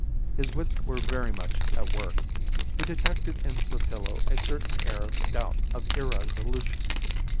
His wits were very much at work. He detected in Sotillo a certain air of doubt, of irresolution.